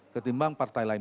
ketimbang partai lain